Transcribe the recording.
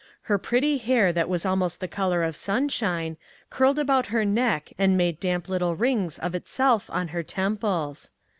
Her pretty hair, that was almost the color of sunshine, curled about her neck and made damp little rings of itself on her temples.